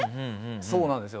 そうなんですよ。